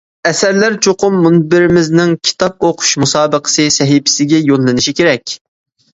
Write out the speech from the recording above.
ئەسەرلەر چوقۇم مۇنبىرىمىزنىڭ «كىتاب ئوقۇش مۇسابىقىسى» سەھىپىسىگە يوللىنىشى كېرەك.